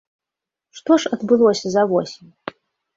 Што ж адбылося за восень?